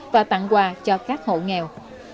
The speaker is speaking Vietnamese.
và tặng quà cho các hộ nghèo